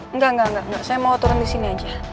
enggak enggak enggak saya mau turun di sini aja